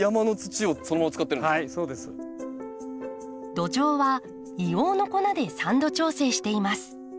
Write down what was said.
土壌は硫黄の粉で酸度調整しています。